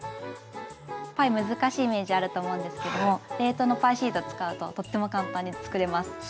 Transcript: パイ難しいイメージあると思うんですけども冷凍のパイシート使うととっても簡単に作れます。